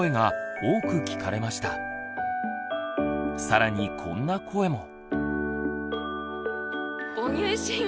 更にこんな声も。